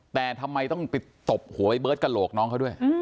แต่ทำไมต้องไปตบหัวไอ้เบิร์ตกระโหลกน้องเขาด้วย